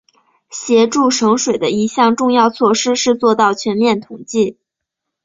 协助省水的一项重要措施是做到全面统计。